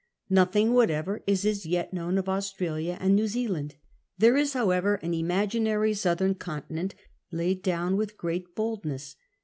Nothing whatever is as yet known of Australia and New Zealand. There is, however, an imaginary southern continent laid down with great bold ness.